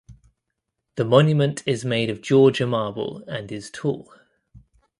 The monument is made of Georgia marble and is tall.